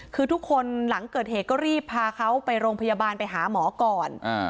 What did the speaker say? คือทุกคนหลังเกิดเหตุก็รีบพาเขาไปโรงพยาบาลไปหาหมอก่อน